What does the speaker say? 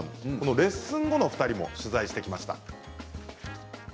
レッスン後の２人も取材してきました。